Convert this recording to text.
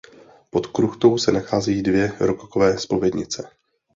Pod kruchtou se nacházejí dvě rokokové zpovědnice.